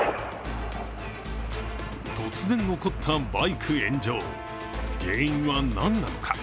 突然起こったバイク炎上、原因はなんなのか？